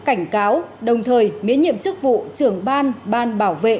cảnh cáo đồng thời miễn nhiệm chức vụ trưởng ban ban bảo vệ